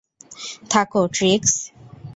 থাকো - ট্রিক্স!